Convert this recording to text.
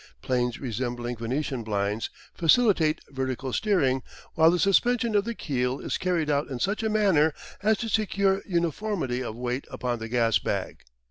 Planes resembling Venetian blinds facilitate vertical steering, while the suspension of the keel is carried out in such a manner as to secure uniformity of weight upon the gas bag.